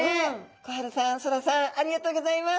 心花さん昊良さんありがとうギョざいます。